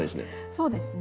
そうですね。